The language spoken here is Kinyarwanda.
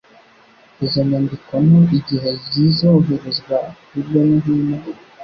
izo nyandiko nto igihe zizoherezwa hirya no hino